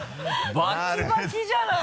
バキバキじゃない！